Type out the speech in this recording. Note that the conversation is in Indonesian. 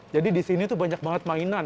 jadi di sini banyak banget mainan